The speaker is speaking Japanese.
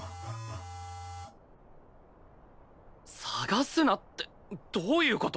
捜すなってどういう事！？